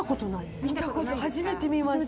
見たこと初めて見ました。